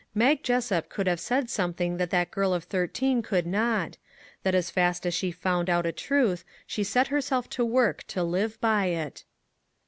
Mag Jessup could have said something that that girl of thirteen could not: that as fast as she found out a truth she set herself to work to live by it.